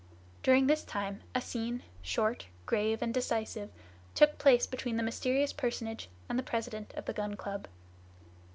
During this time a scene, short, grave, and decisive, took place between the mysterious personage and the president of the Gun Club.